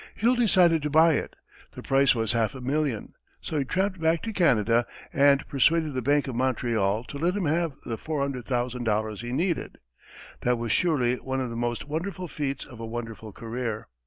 Hill decided to buy it. The price was half a million, so he tramped back to Canada and persuaded the bank of Montreal to let him have the $400,000 he needed. That was surely one of the most wonderful feats of a wonderful career.